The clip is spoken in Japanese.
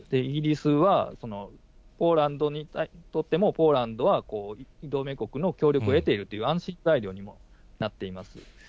イギリスは、ポーランドにとっても、ポーランドは同盟国の協力を得ているという安心材料にもなっています。